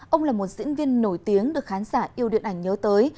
ông là một diễn viên nổi tiếng được khán giả yêu điện ảnh nhớ tới